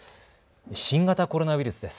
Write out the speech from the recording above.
新型コロナウイルスです。